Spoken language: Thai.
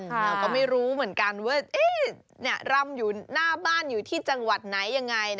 เราก็ไม่รู้เหมือนกันว่ารำอยู่หน้าบ้านอยู่ที่จังหวัดไหนยังไง